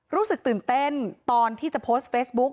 รู้สึกตื่นเต้นตอนที่จะโพสต์เฟซบุ๊ก